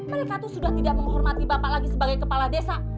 mereka tuh sudah tidak menghormati bapak lagi sebagai kepala desa